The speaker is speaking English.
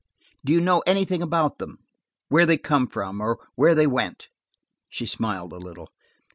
"Do you know anything about them? Where they came from, or where they went?" She smiled a little.